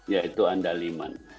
yaitu anda liman